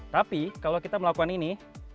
tapi kalau kita melakukan ini